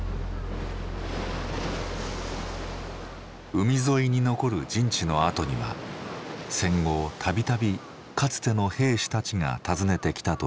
海沿いに残る陣地の跡には戦後度々かつての兵士たちが訪ねてきたといいます。